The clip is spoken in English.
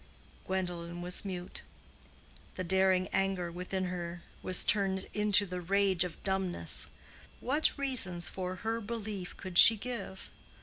Gwendolen was mute. The daring anger within her was turned into the rage of dumbness. What reasons for her belief could she give?